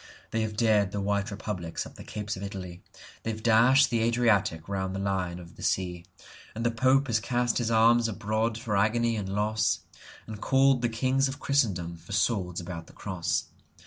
They have dared the white republics up the capes of Italy, They have dashed the Adriatic round the Lion of the Sea, And the Pope has cast his arms abroad for agony and loss, And called the kings of Christendom for swords about the Cross.